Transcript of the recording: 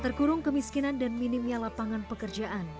terkurung kemiskinan dan minimnya lapangan pekerjaan